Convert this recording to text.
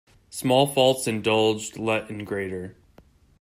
Small faults indulged let in greater.